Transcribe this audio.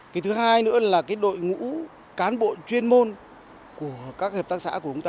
cái thứ hai nữa là cái đội ngũ cán bộ chuyên môn của các hợp tác xã của chúng ta